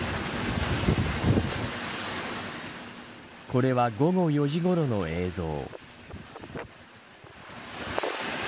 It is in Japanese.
これは午後４時ごろの映像。